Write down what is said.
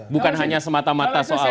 bukan hanya semata mata soal